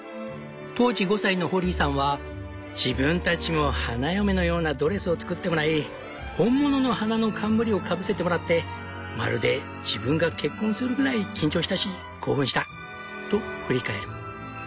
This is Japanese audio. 当時５歳のホリーさんは「自分たちも花嫁のようなドレスを作ってもらい本物の花の冠をかぶせてもらってまるで自分が結婚するぐらい緊張したし興奮した」と振り返る。